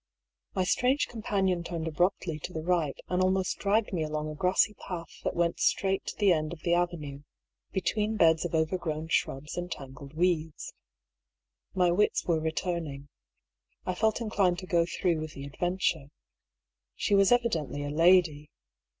My strange companion turned abruptly to the right, and almost dragged me along a grassy path that went straight to the end of the avenue, between beds of overgrown shrubs and tangled weeds. My wits were returning. I felt inclined to go through with the adventure. She was evidently a lady.